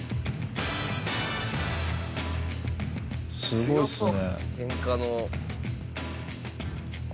すごいっすね。